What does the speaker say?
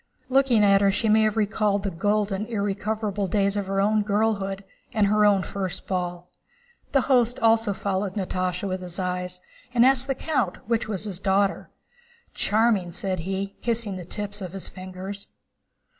Looking at her she may have recalled the golden, irrecoverable days of her own girlhood and her own first ball. The host also followed Natásha with his eyes and asked the count which was his daughter. "Charming!" said he, kissing the tips of his fingers.